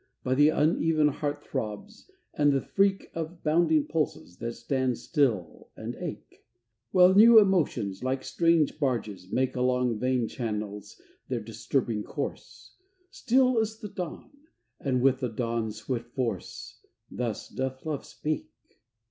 By the uneven heart throbs, and the freak Of bounding pulses that stand still and ache, While new emotions, like strange barges, make Along vein channels their disturbing course; Still as the dawn, and with the dawn's swift force Thus doth Love speak.